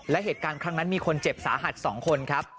และเหตุการณ์ครั้งนั้นมีคนเจ็บสาหัส๒คนครับ